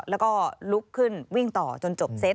แล้วก็ลุกขึ้นวิ่งต่อจนจบเซต